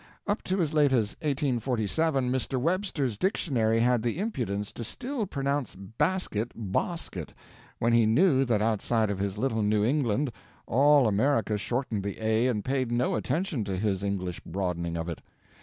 Up to as late as 1847 Mr. Webster's Dictionary had the impudence to still pronounce 'basket' bahsket, when he knew that outside of his little New England all America shortened the 'a' and paid no attention to his English broadening of it.